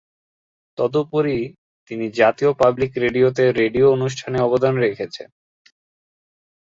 তদুপরি, তিনি জাতীয় পাবলিক রেডিওতে রেডিও অনুষ্ঠানে অবদান রেখেছেন।